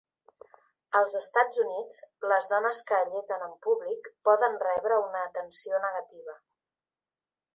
Als Estats Units, les dones que alleten en públic poden rebre una atenció negativa.